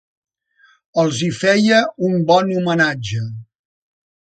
Els hi feia un bon homenatge.